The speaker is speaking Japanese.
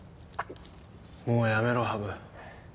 もうやめろ羽生。